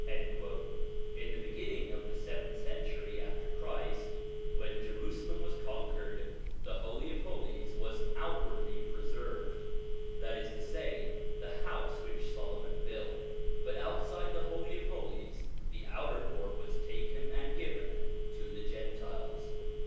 In the beginning of the seventh century after Christ, when Jerusalem was conquered, the Holy of Holies was outwardly preserved: that is to say, the house which Solomon built; but outside the Holy of Holies the outer court was taken and given to the Gentiles.